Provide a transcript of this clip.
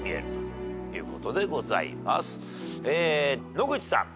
野口さん。